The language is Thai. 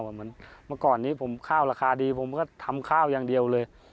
เหมือนเมื่อก่อนนี้ผมข้าวราคาดีผมก็ทำข้าวอย่างเดียวเลย